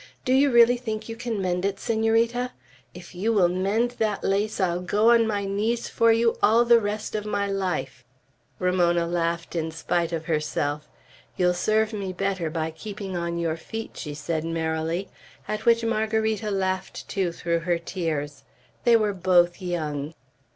"Do you really think you can mend it, Senorita? If you will mend that lace, I'll go on my knees for you all the rest of my life!" Ramona laughed in spite of herself. "You'll serve me better by keeping on your feet," she said merrily; at which Margarita laughed too, through her tears. They were both young.